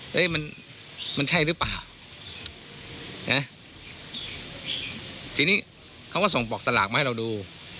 เฮ้ยมันมันใช่หรือเปล่านะทีนี้เขาก็ส่งบอกสลากมาให้เราดู